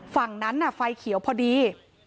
ฝั่งนั้นน่ะไฟเขียวพอดี